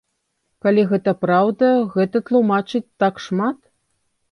Калі гэта праўда, гэта тлумачыць так шмат.